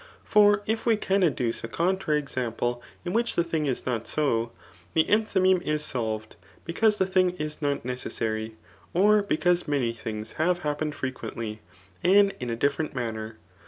For if we can adduce a contrsiry example in which the thing is not so, the entfaymeme is sohred, because the thing is not necessary, or because many things have happened frequently, and in a difimnt manner.